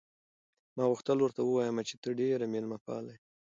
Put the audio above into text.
ما غوښتل ورته ووایم چې ته ډېره مېلمه پاله یې.